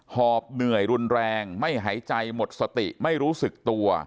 หอบเหนื่อยรุนแรงไม่หายใจหมดสติไม่รู้สึกตัว